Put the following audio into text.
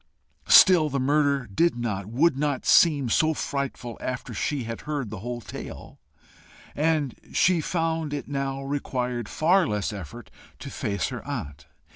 Still the murder did not, would not seem so frightful after she had heard the whole tale, and she found it now required far less effort to face her aunt.